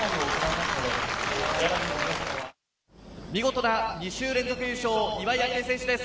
見事な２週連続優勝、岩井明愛選手です。